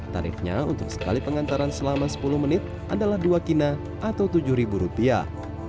tarifnya untuk sekali pengantaran selama sepuluh menit adalah dua kina atau tujuh rupiah